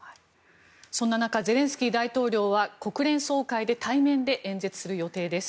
そんな中ゼレンスキー大統領は国連総会で対面で演説する予定です。